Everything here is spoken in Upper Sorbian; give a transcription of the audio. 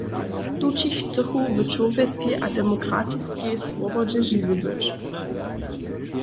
Tući chcychu w čłowjeskej a demokratiskej swobodźe žiwi być.